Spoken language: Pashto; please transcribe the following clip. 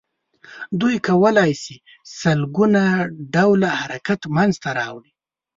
دوی کولای شي سل ګونه ډوله حرکت منځ ته راوړي.